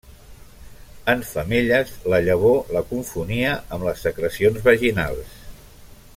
En femelles, la llavor la confonia amb les secrecions vaginals.